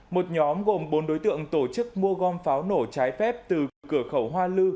một nhóm gồm bốn đối tượng tổ chức mua gom pháo nổ trái phép từ cửa khẩu hoa lư